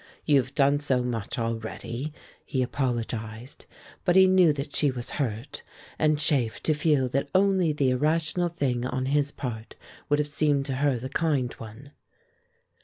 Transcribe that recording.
"You have done so much already," he apologized; but he knew that she was hurt, and chafed to feel that only the irrational thing on his part would have seemed to her the kind one.